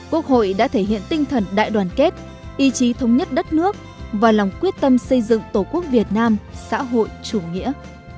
quốc hội đã thể hiện tinh thần đại đoàn kết ý chí thống nhất đất nước và lòng quyết tâm xây dựng tổ quốc việt nam xã hội chủ nghĩa